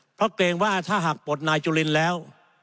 เพราะเกรงว่าถ้าหากปลดนายจุลินแล้ว